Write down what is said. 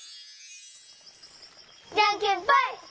じゃんけんぽい！